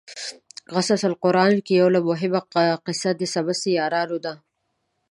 قصص القران کې یوه مهمه قصه د څمڅې یارانو ده.